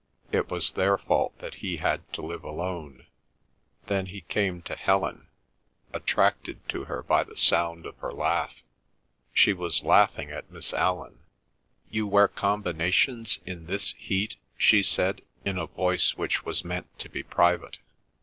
It was their fault that he had to live alone. Then he came to Helen, attracted to her by the sound of her laugh. She was laughing at Miss Allan. "You wear combinations in this heat?" she said in a voice which was meant to be private.